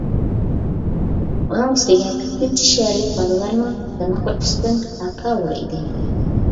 ئۇنىڭ ئۈستىگە كۆپىنچە شەھەرلىك بالىلارنىڭ دىمىقى ئۈستۈن، ھاكاۋۇر ئىدى.